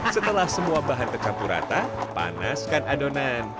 setelah semua bahan tercampur rata panaskan adonan